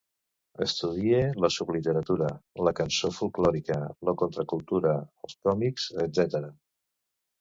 Estudie la subliteratura, la cançó folklòrica, la contracultura, els còmics, etcètera.